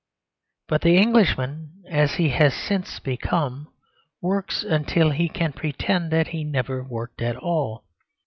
But the Englishman, as he has since become, works until he can pretend that he never worked at all.